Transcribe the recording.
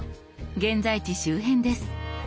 現在地周辺です。